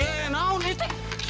kabur nih kabur nih